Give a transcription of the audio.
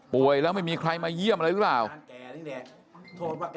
แล้วไม่มีใครมาเยี่ยมอะไรหรือเปล่า